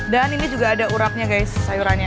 dan ini juga ada urapnya guys sayurannya